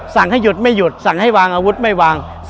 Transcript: สั่งให้หยุดไม่หยุดสั่งให้วางอาวุธไม่วาง